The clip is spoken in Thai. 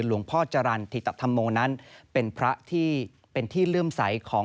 หลวงพ่อจรรย์ธิตธรรมโมนั้นเป็นพระที่เป็นที่เลื่อมใสของ